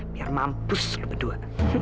biar mampus lu berdua